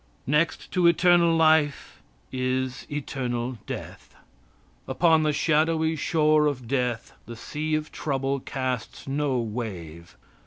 Next to external life is eternal death. Upon the shadowy shore of death the sea of trouble casts no wave.